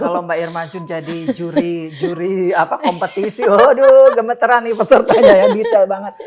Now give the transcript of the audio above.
kalau mbak irma jun jadi juri juri kompetisi waduh gemeteran nih pesertanya ya detail banget